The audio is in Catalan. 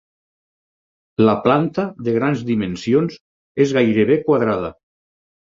La planta de grans dimensions, és gairebé quadrada.